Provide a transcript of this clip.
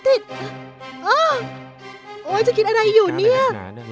อ้ออ้ออ้อติดอ้อโอ้ยจะกินอะไรอยู่เนี้ย